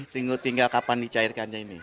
tunggu ini tinggal kapan dicairkannya ini